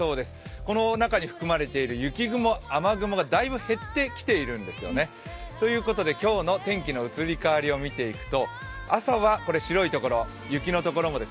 この中に含まれている雪雲雨雲がだいぶ減ってきているんですよね。ということで今日の天気の移り変わりを見ていきます。